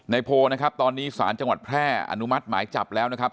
โพลนะครับตอนนี้ศาลจังหวัดแพร่อนุมัติหมายจับแล้วนะครับ